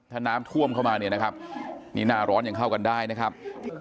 ถ้าน้ำท่วมเข้ามาเนี่ยนะครับนี่หน้าร้อนยังเข้ากันได้นะครับ